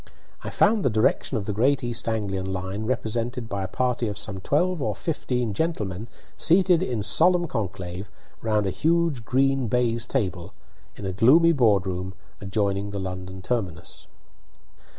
I found the direction of the Great East Anglian line represented by a party of some twelve or fourteen gentlemen seated in solemn conclave round a huge green baize table, in a gloomy board room adjoining the London terminus.